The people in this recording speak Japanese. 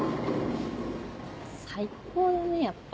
最高だねやっぱ。